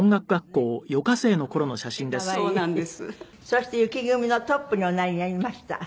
そして雪組のトップにおなりになりました。